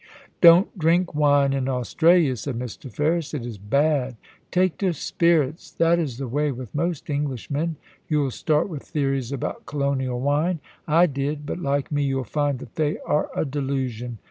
* Don't drink wine in Australia,' said Mr. Ferris ;* it is bad. Take to spirits ; that is the way with most English men. You'll start with theories about colonial wine. I did ; but, like me, you'll find that they are a delusion.